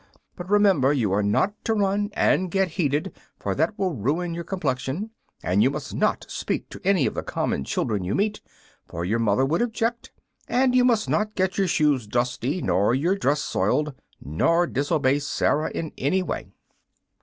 But remember you are not to run and get heated, for that will ruin your complexion; and you must not speak to any of the common children you meet, for your mother would object; and you must not get your shoes dusty nor your dress soiled, nor disobey Sarah in any way."